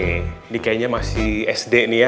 ini kayaknya masih sd nih ya